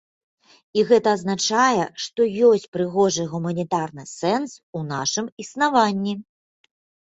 І гэта азначае, што ёсць прыгожы гуманітарны сэнс у нашым існаванні.